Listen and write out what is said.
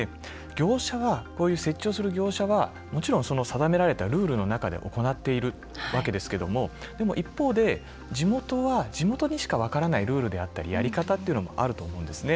こういう設置をする業者はもちろん、定められたルールの中で行ってるわけですけどただ一方で地元は地元にしか分からないやり方やルールであったりやり方があると思うんです。